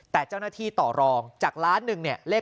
แต่เจ้าหน้าที่ต่อรองจากล้านหนึ่งเนี่ยเลข